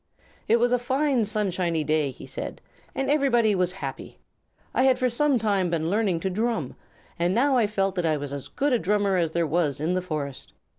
"It was a fine, sunshiny day," he said, "and everybody was happy. I had for some time been learning to drum, and now I felt that I was as good a drummer as there was in the forest.